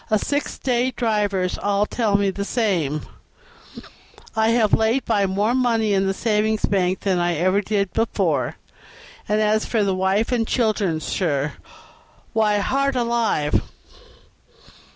The six day drivers all tell me the same, and I have laid by more money in the savings bank than ever I did before; and as for the wife and children, sir, why, heart alive!